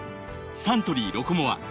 サントリー「ロコモア」